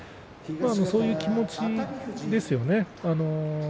そういう気持ちですよね。